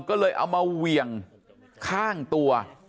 ก็เลยเอามาเหวี่ยงข้างตัว